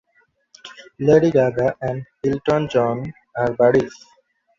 Lady Gaga and Elton John are buddies.